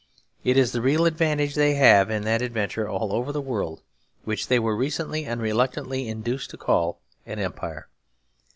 It is the real advantage they have in that adventure all over the world, which they were recently and reluctantly induced to call an Empire.